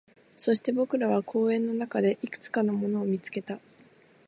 そして、僕らは公園の中でいくつかのものを見つけた